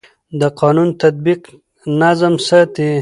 د قانون تطبیق نظم ساتي